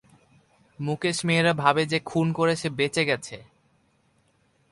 মুকেশ মেহরা ভাবে যে খুন করে সে বেঁচে গেছে।